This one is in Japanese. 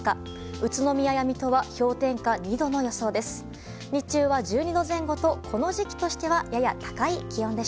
宇都宮や水戸は氷点下２度の予想です。